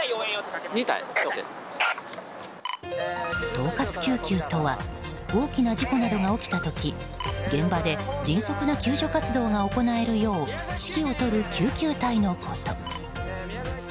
統括救急とは大きな事故などが起きた時現場で迅速な救助活動が行えるよう指揮を執る救急隊のこと。